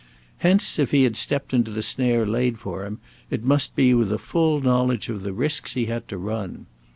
Hence, if he had stepped into the snare laid for him, it must be with a full knowledge of the risks he had to run.